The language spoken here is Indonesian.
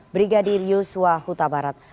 brigadir yusua huta barat